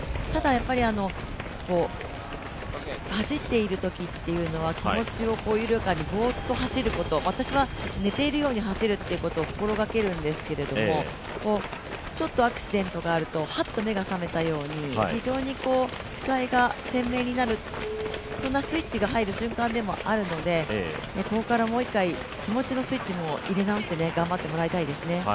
やっぱり走っているときっていうのは、気持ちを緩やかにぼーっと走ること、私は寝ているように走ることを心がけるんですけど、ちょっとアクシデントがあるとハット目が覚めたように非常に視界が鮮明になる、そんなスイッチが入る瞬間でもあるので、ここからもう一回気持ちのスイッチを入れ直して頑張ってほしいです。